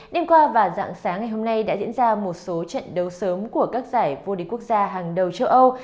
đêm qua và dạng sáng ngày hôm nay đã diễn ra một số trận đấu sớm của các giải vô địch quốc gia hàng đầu châu âu